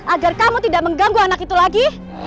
agar kamu tidak mengganggu anak itu lagi